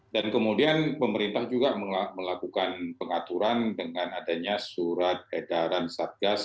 dan kemudian pemerintah juga melakukan pengaturan dengan adanya surat edaran satgas